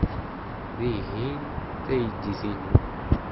Tihin d taydit-inu.